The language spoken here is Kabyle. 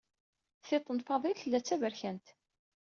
Tiṭ n Faḍil tella d taberkant.